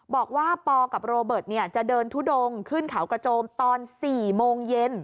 บอกว่าปกับโรเบิร์ตจะเดินทุดงขึ้นเขากระโจมตอน๔โมงเย็น